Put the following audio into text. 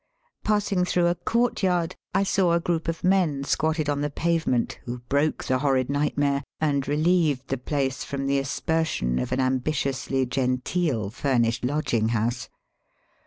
Passing through a courtyard I saw a group of men squatted on the pavement, who broke the horrid nightmare, and relieved the place from the aspersion of an ambitiously genteel furnished lodging house.